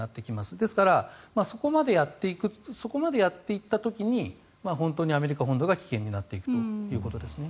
ですからそこまでやっていった時に本当にアメリカ本土が危険になっていくということですね。